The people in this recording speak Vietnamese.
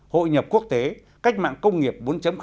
hội nhập quốc tế cách mạng công nghiệp bốn